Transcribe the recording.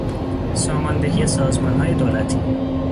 ساماندهی سازمانهای دولتی